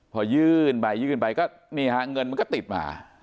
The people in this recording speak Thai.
พอยื่นไปยื่นไปก็นี่ฮะเงินมันก็ติดมา